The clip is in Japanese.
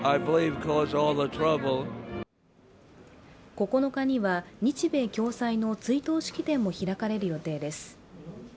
９日には、日米共催の追悼式典も開かれる予定です。